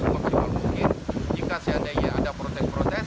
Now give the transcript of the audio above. maksimal mungkin jika seandainya ada protes protes